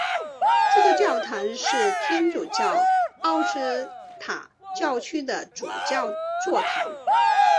这座教堂是天主教奥斯塔教区的主教座堂。